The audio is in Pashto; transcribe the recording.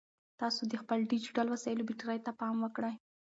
تاسو د خپلو ډیجیټل وسایلو بیټرۍ ته پام وکړئ.